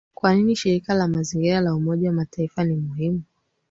Kwa nini Shirika la Mazingira la Umoja wa Mataifa ni muhimu